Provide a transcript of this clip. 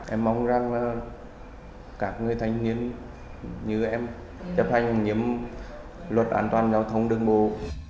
em mong rằng các người thanh niên như em chấp hành nhiễm luật an toàn giao thông đương bộ